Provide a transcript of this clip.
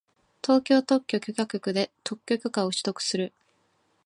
東京特許許可局で特許許可を取得する